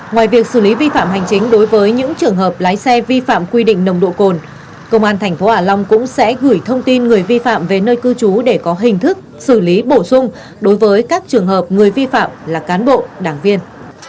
ngoài việc xử lý vi phạm hành chính đối với những trường hợp lái xe vi phạm quy định nồng độ cồn công an tp hạ long cũng sẽ gửi thông tin người vi phạm về nơi cư trú để có hình thức xử lý bổ sung đối với các trường hợp người vi phạm là cán bộ đảng viên